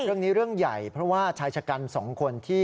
เรื่องนี้เรื่องใหญ่เพราะว่าชายชะกรรมสองคนที่